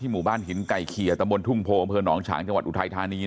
หมู่บ้านหินไก่เขียตำบลทุ่งโพอำเภอหนองฉางจังหวัดอุทัยธานี